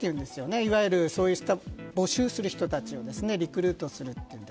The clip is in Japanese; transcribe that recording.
いわゆるそういった募集をする人たちリクルートするっていうんで。